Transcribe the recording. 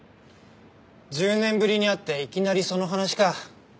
１０年ぶりに会っていきなりその話か。